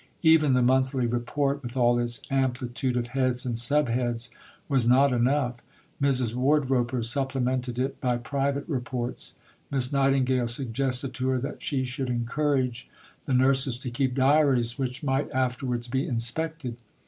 Even the Monthly Report, with all its amplitude of heads and sub heads, was not enough. Mrs. Wardroper supplemented it by private reports. Miss Nightingale suggested to her that she should encourage the nurses to keep diaries which might afterwards be inspected.